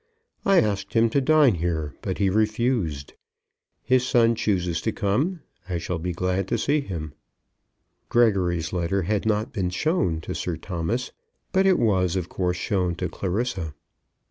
I asked him to dine here, but he refused. His son chooses to come. I shall be glad to see him." Gregory's letter had not been shown to Sir Thomas, but it was, of course, shown to Clarissa.